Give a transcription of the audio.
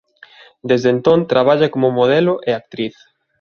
Desde entón traballa como modelo e actriz.